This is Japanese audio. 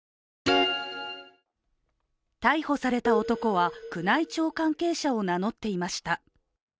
逮捕された男は宮内庁関係者を名乗っていました。